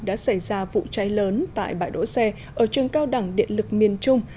đã xảy ra vụ cháy lớn tại bãi đỗ xe ở trường cao đẳng điện lực miền trung